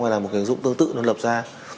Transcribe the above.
hay là một hình dụng tương tự nó lập ra